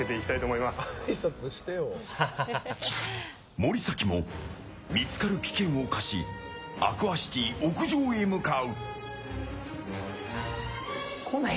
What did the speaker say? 森崎も見つかる危険を冒しアクアシティ屋上へ向かう。